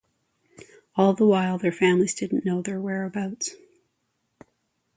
All the while, their families didn't know their whereabouts.